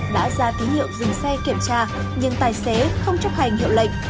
đã ra ký hiệu dừng xe kiểm tra nhưng tài xế không chấp hành hiệu lệnh